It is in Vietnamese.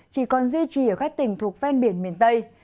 chỉ còn duy trì ở các tỉnh thuộc ven biển miền tây